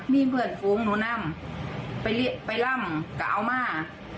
มีเพื่อนฝูงหนูนำไปร่ำก็เอามา